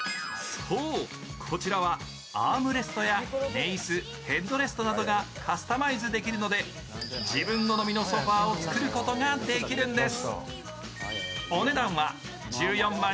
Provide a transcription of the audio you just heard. そう、こちらはアームレストや寝椅子、ヘッドレストなどがカスタマイズできるので自分子のみのソファーを作ることができるんです。